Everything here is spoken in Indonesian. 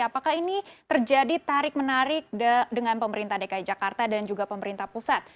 apakah ini terjadi tarik menarik dengan pemerintah dki jakarta dan juga pemerintah pusat